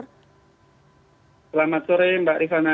selamat sore mbak rizana